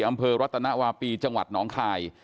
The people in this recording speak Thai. อำเภอรัตนวาปีจังหวัดหนองคาย